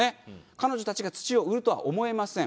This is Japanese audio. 彼女たちが土を売るとは思えません。